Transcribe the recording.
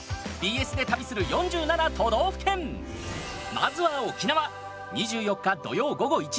まずは沖縄。